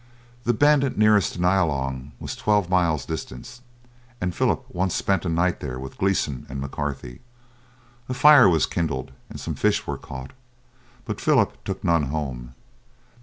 The bend nearest to Nyalong was twelve miles distant, and Philip once spent a night there with Gleeson and McCarthy. A fire was kindled and some fish were caught, but Philip took none home.